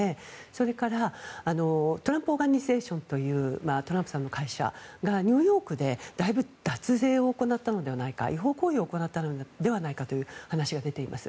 それからトランプ・オーガニゼーションというトランプさんの会社がニューヨークでだいぶ脱税を行ったのではないか違法行為を行ったのではないかという話が出ています。